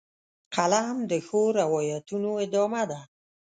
قلم د ښو روایتونو ادامه ده